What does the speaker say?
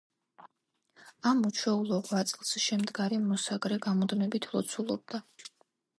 ამ უჩვეულო ღვაწლს შემდგარი მოსაგრე გამუდმებით ლოცულობდა.